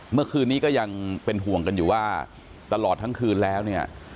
เมื่อคืนนี้ก็ยังเป็นห่วงกันอยู่ว่าตลอดทั้งคืนแล้วเนี่ย